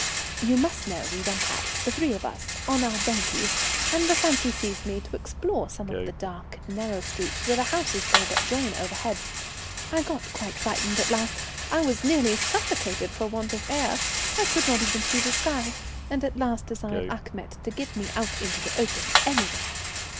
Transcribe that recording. "You must know we went out, the three of us, on our donkeys, and the fancy seized me to explore some of the dark, narrow streets where the houses all but join overhead. I got quite frightened at last. I was nearly suffocated for want of air. I could not even see the sky, and at last desired Achmet to get me out into the open, anywhere.